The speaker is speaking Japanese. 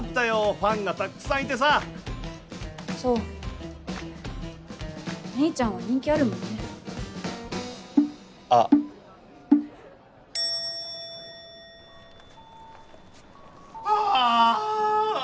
ファンがたくさんいてさそうメイちゃんは人気あるもんねあっあぁ